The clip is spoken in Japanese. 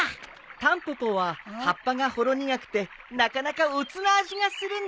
タンポポは葉っぱがほろ苦くてなかなか乙な味がするんだよ。